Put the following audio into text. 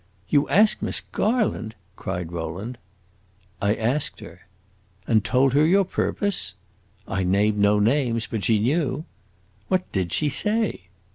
"You asked Miss Garland?" cried Rowland. "I asked her." "And told her your purpose?" "I named no names. But she knew!" "What did she say?"